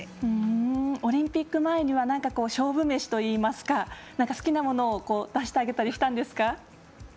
オリンピック前には勝負飯といいますか何か好きなものを出してあげたりしたんですか？